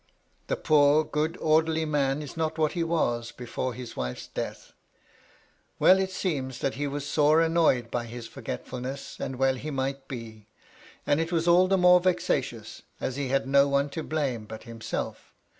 (The poor, good, orderly man is not what he was before his wife's death.) Well, it seems that he was sore annoyed by his forgetfulness, and well he might be. And it was all the more vexatious, as he had no one to blame but himself.